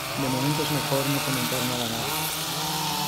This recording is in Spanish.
de momento es mejor no comentar nada a nadie ,